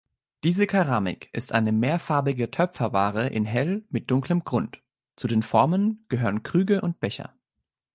Diese Keramik ist eine mehrfarbige Töpferware in hell mit dunklem Grund. Zu den Formen gehören Krüge und Becher.